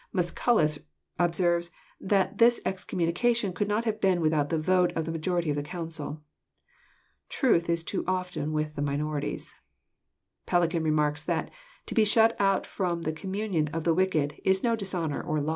Musculus observes that this excommunication could not have been without the vote of the majority of the council. Troth is too often with minorities. Pellican remarks that << to be shut out from the communion of the wicked is no dishonour or loss."